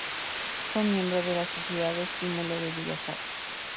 Fue miembro de la Sociedad Estímulo de Bellas Artes.